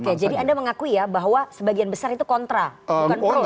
oke jadi anda mengakui ya bahwa sebagian besar itu kontra